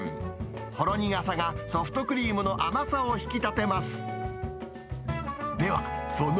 ほろ苦さがソフトクリームの甘さを引き立てます。